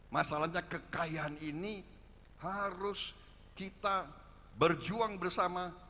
masalahnya kekayaan ini harus kita berjuang bersama